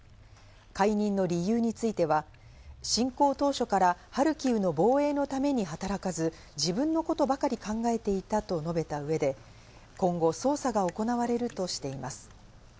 解任の理由については、侵攻当初からハルキウの防衛のために働かず、自分のことばかり考えていたと述べた上で、今後捜査が行われるとしています。